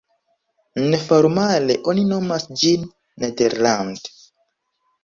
Neformale oni nomas ĝin "Nederland.